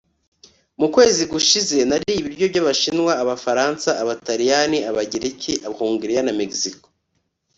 Mu kwezi gushize nariye ibiryo byAbashinwa Abafaransa Abataliyani Abagereki Hongiriya na Mexico